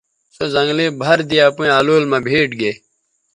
سو زنگلئ بَھر دے اپئیں الول مہ بھیٹ گے